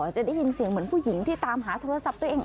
จะได้ยินเสียงเหมือนผู้หญิงที่ตามหาโทรศัพท์ตัวเอง